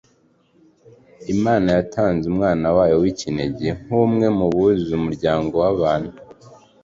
Imana yatanze Umwana wayo w'ikinege nk'umwe mu buzuza umuryango w'abantu,